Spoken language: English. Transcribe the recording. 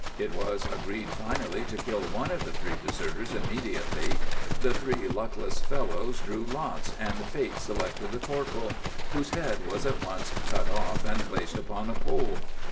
It was agreed finally to kill one of the three deserters immediately ; the three luckless fellows drew lots and fate selected the corporal, whose head was at once cut off and placed upon a pole.